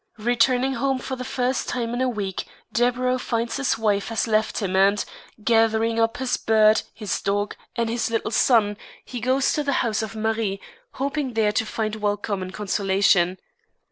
Returning home for the first time in a week, Deburau finds his wife has left him and, gathering up his bird, his dog, and his little son, he goes to the house of Marie, hoping there to find welcome and consolation.